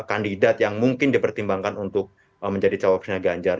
kandidat yang mungkin dipertimbangkan untuk menjadi cawapresnya ganjar